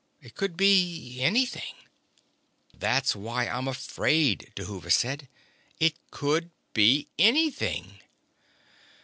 It could be anything ..." "That's why I'm afraid," Dhuva said. "It could be anything."